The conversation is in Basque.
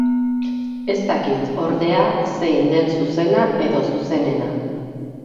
Ez dakit, ordea, zein den zuzena edo zuzenena.